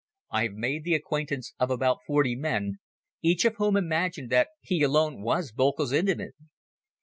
I have made the acquaintance of about forty men, each of whom imagined that he alone was Boelcke's intimate.